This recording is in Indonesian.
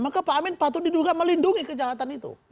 maka pak amin patut diduga melindungi kejahatan itu